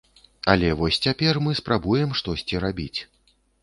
Але вось цяпер мы спрабуем штосьці рабіць.